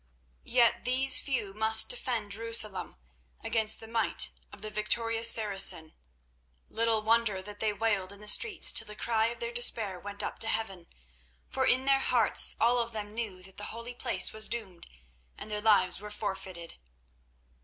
Yet these few must defend Jerusalem against the might of the victorious Saracen. Little wonder that they wailed in the streets till the cry of their despair went up to heaven, for in their hearts all of them knew that the holy place was doomed and their lives were forfeited.